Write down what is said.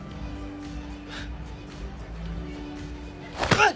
うっ！